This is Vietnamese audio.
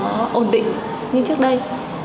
ổn định như trước đây